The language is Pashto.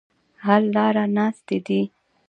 حل لاره ناستې دي.